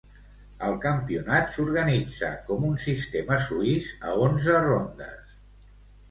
El campionat s'organitza com un sistema suís a onze rondes.